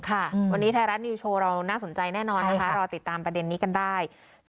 วันนี้ไทยรัฐนิวโชว์เราน่าสนใจแน่นอนนะคะรอติดตามประเด็นนี้กันได้